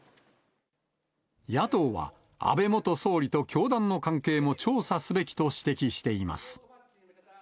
野党は、安倍元総理と教団の関係も調査すべきと指摘しています。